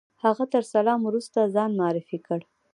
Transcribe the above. هغه تر سلام وروسته ځان معرفي کړ.